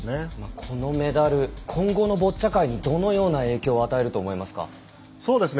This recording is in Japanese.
このメダル今後のボッチャ界にどんな影響を与えると思いますか？